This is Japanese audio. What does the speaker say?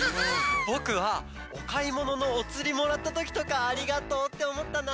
ぼくはおかいもののおつりもらったときとか「ありがとう」っておもったな。